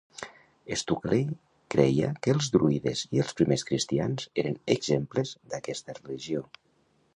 Stukeley creia que els druides i els primers cristians eren exemples d'aquesta religió.